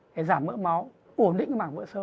để giảm mỡ máu ổn định mảng vữa sơ